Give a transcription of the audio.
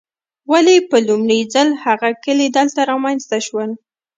ولې په لومړي ځل هغه کلي دلته رامنځته شول.